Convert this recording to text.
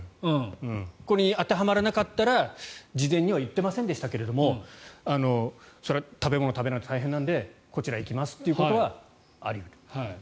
これに当てはまらなかったら事前には言ってませんでしたけどそれは食べ物を食べないと大変なのでこちらに行くというのはあり得る。